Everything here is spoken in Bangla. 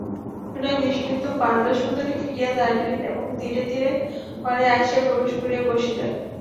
শুনিয়া বিস্মিত বরদাসুন্দরী ফিরিয়া দাঁড়াইলেন এবং ধীরে ধীরে ঘরে আসিয়া প্রবেশ করিয়া বসিলেন।